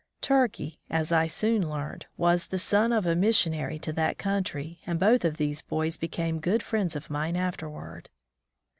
"Turkey," as I soon learned, was the son of a missionary to that country, and both of these boys became good friends of mine afterward.